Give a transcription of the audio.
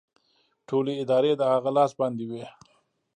ټولې ادارې د هغه لاس باندې وې